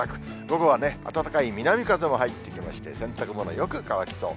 午後はね、暖かい南風も入ってきまして、洗濯物よく乾きそう。